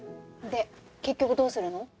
で結局どうするの？